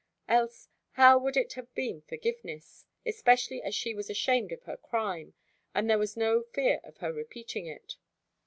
Else how would it have been forgiveness? especially as she was ashamed of her crime, and there was no fear of her repeating it.